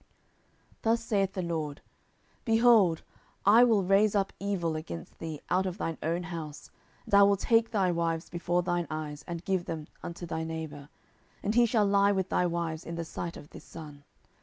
10:012:011 Thus saith the LORD, Behold, I will raise up evil against thee out of thine own house, and I will take thy wives before thine eyes, and give them unto thy neighbour, and he shall lie with thy wives in the sight of this sun.